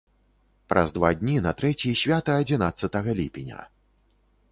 Праз два дні на трэці свята адзінаццатага ліпеня.